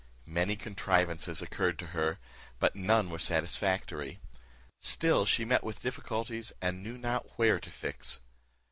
Many contrivances occurred to her, but none were satisfactory. Still she met with difficulties, and knew not where to fix.